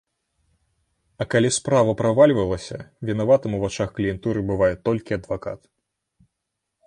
А калі справа правальвалася, вінаватым у вачах кліентуры бывае толькі адвакат.